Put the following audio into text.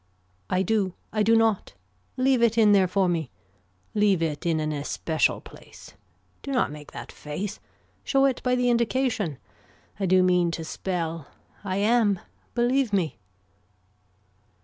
I do. I do not. Leave it in there for me. Leave it in an especial place. Do not make that face. Show it by the indication. I do mean to spell. I am. Believe me.